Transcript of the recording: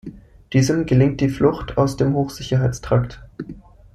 Diesem gelingt die Flucht aus dem Hochsicherheitstrakt.